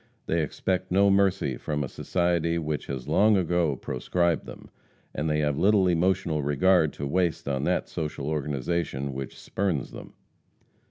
They expect no mercy from a society which has long ago proscribed them, and they have little emotional regard to waste on that social organization which spurns them.